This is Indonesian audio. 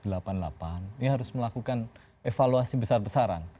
ini harus melakukan evaluasi besar besaran